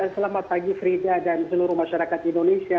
selamat pagi frida dan seluruh masyarakat indonesia